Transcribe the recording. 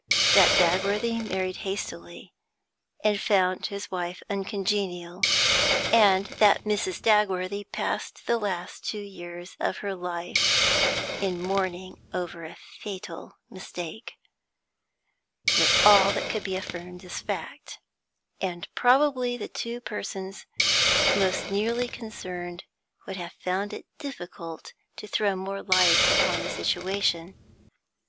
That Dagworthy married hastily and found his wife uncongenial, and that Mrs. Dagworthy passed the last two years of her life in mourning over a fatal mistake, was all that could be affirmed as fact, and probably the two persons most nearly concerned would have found it difficult to throw more light upon the situation.